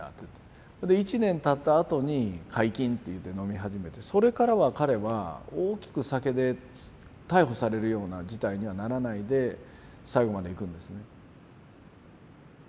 一年たったあとに解禁といって飲み始めてそれからは彼は大きく酒で逮捕されるような事態にはならないで最後までいくんですね。